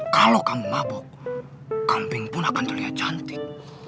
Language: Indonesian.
kalau kamu mabok kambing pun akan terlihat cantik